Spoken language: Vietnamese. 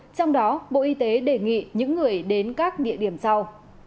trong đó bộ y tế đề nghị những người đến các địa điểm sau